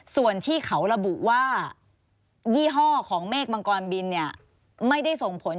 ส่วนที่เขาระบุว่ายี่ห้อของเมฆมังกรบินเนี่ยไม่ได้ส่งผล